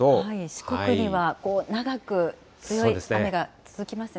四国には長く強い雨が続きますね。